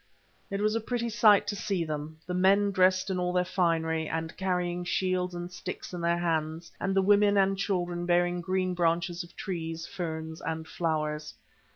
It was a pretty sight to see them, the men dressed in all their finery, and carrying shields and sticks in their hands, and the women and children bearing green branches of trees, ferns, and flowers.